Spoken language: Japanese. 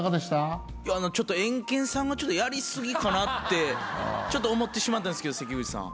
ちょっとエンケンさんがやり過ぎかなってちょっと思ってしまったんですけど関口さん。